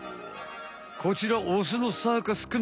こちらオスのサーカスくん。